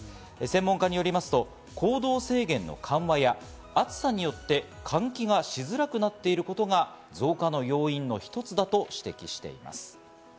専門家によりますと、行動制限の緩和や暑さによって換気がしづらくなっていることが増加の要因の一つだと指摘しています。